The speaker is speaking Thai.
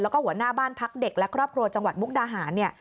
แล้วก็หัวหน้าบ้านพักเด็กและครอบครัวจังหวัดมุกดาหารเนี่ย